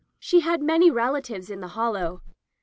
She had many relatives in the Hollow.